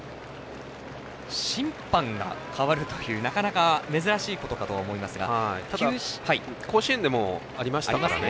審判が代わるというなかなか珍しいことかと甲子園でもありましたから。